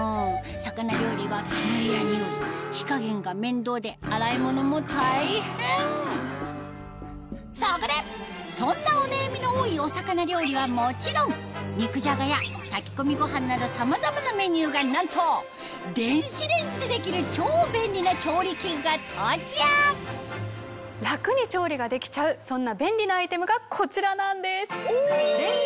魚料理は煙や臭い火加減が面倒で洗い物も大変そこでそんなお悩みの多いお魚料理はもちろんなどさまざまなメニューがなんと電子レンジでできる超便利な調理器具が登場楽に調理ができちゃうそんな便利なアイテムがこちらなんです。